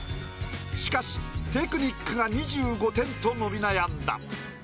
しかしテクニックが２５点と伸び悩んだ。